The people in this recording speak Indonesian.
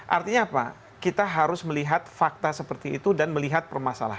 artinya apa kita harus melihat fakta seperti itu dan melihat permasalahan